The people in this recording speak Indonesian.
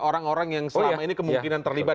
orang orang yang selama ini kemungkinan terlibat